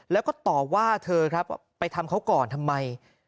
แล้วก็ต่อว่าเธอครับว่าไปทำเขาก่อนทำไม